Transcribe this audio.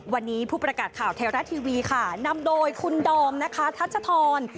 วันนี้ผู้ประกาศข่าวไทยรัฐทีวีค่ะนำโดยคุณดอมนะคะทัชธร